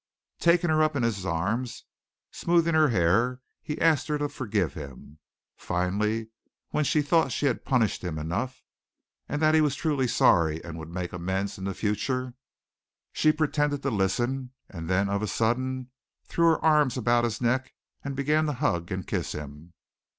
Taking her up in his arms, smoothing her hair, he asked her to forgive him. Finally, when she thought she had punished him enough, and that he was truly sorry and would make amends in the future, she pretended to listen and then of a sudden threw her arms about his neck and began to hug and kiss him.